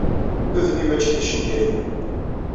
Nutni mačči d icenga-inem.